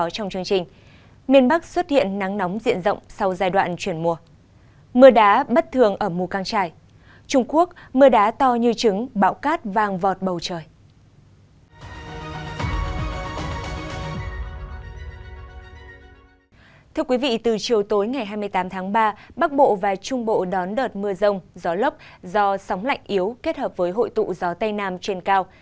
thưa quý vị từ chiều tối ngày hai mươi tám tháng ba bắc bộ và trung bộ đón đợt mưa rông gió lốc gió sóng lạnh yếu kết hợp với hội tụ gió tây nam trên cao